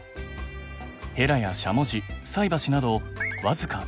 ヘラやしゃもじ菜箸など僅か９点。